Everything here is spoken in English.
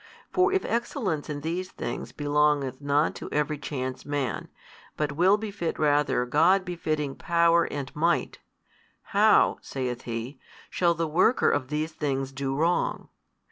For if excellence in these things belongeth not to every chance man, but will befit rather God befitting Power and Might, how (saith he) shall the worker of these things do wrong?